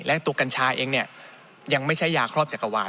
และตัวกัญชาเองเนี่ยยังไม่ใช่ยาครอบจักรวาล